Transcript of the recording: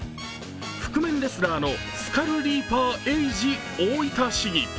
覆面レスラーのスカルリーパー・エイジ市議。